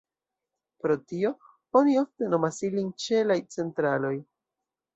Pro tio, oni ofte nomas ilin ĉelaj "centraloj".